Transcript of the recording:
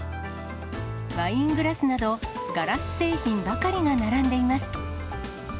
ワイングラスなど、ガラス製品ばかりが並んでいます。